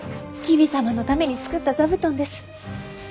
「黍様のために作った座布団です」。